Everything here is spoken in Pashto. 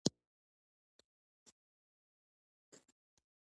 ازادي راډیو د طبیعي پېښې حالت ته رسېدلي پام کړی.